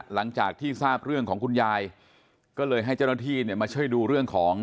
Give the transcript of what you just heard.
หลังจากที่ทราบเรื่องของคุณยายก็เลยให้เจ้าหน้าที่เนี่ยมาช่วยดูเรื่องของ